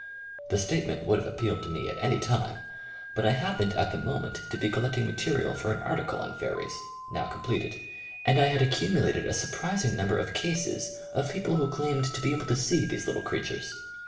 The statement would have appealed to me at any time, but I hap pened at the moment to be collecting ma terial for an article on fairies, now com pleted, and I had accumulated a surprising 40 THE FIRST PUBLISHED ACCOUNT number of cases of people who claimed to be able to see these little creatures.